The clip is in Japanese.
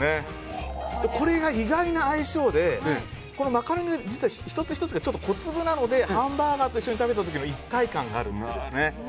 これが意外な相性でマカロニ、実は１つ１つが小粒なのでハンバーガーと一緒に食べた時の一体感があるんですね。